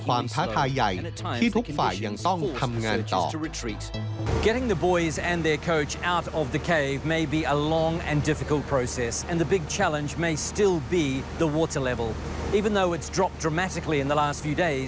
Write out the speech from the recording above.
อาจเป็นความท้าทายใหญ่ที่ทุกฝ่ายังต้องทำงานต่อ